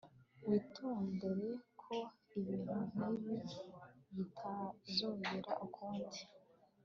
Witondere ko ibintu nkibi bitazongera ukundi